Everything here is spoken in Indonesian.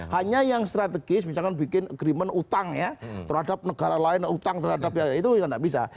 hanya yang strategis misalkan bikin agreement utang ya terhadap negara lain utang terhadap ya itu tidak bisa